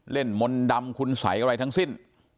มนต์ดำคุณสัยอะไรทั้งสิ้น